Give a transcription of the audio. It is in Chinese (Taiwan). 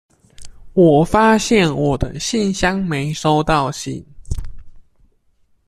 我發現我的信箱沒收到信